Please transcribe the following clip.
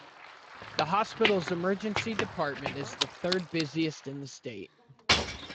The hospital's emergency department is the third busiest in the state.